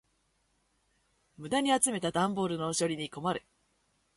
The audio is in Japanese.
無駄に集めた段ボールの処理に困る。